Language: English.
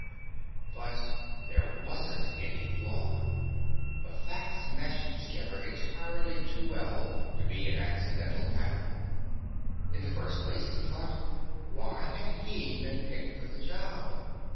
But there wasn't any flaw. The facts meshed together entirely too well to be an accidental pattern. In the first place, he thought, why had he been picked for the job?